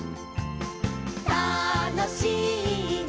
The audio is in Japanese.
「たのしいね」